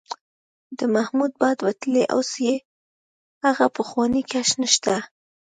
د محمود باد وتلی، اوس یې هغه پخوانی کش نشته.